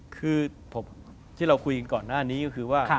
คือที่เราคุยกันก่อนหน้านี้ก็คือว่า